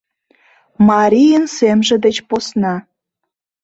Марийын семже деч посна.